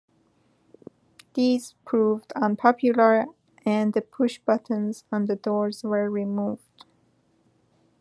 These proved unpopular and the push-buttons on the doors were removed.